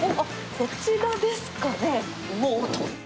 こちらですかね。